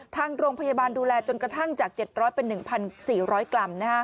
ทางโรงพยาบาลดูแลจนกระทั่งจาก๗๐๐เป็น๑๔๐๐กรัม